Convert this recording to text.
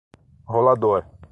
Rolador